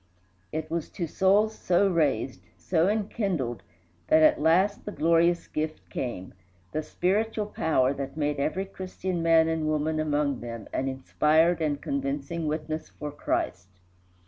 It was to souls so raised, so enkindled, that at last the glorious gift came the spiritual power that made every Christian man and woman among them an inspired and convincing witness for Christ.